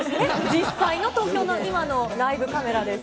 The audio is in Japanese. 実際の東京の今のライブカメラです。